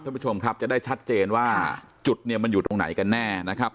ท่านผู้ชมครับจะได้ชัดเจนว่าจุดเนี่ยมันอยู่ตรงไหนกันแน่นะครับ